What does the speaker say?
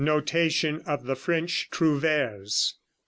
36. NOTATION OF THE FRENCH TROUVÈRES.